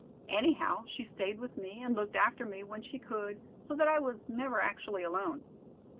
Anyhow, she stayed with me and looked after me when she could, so that I was never actually alone."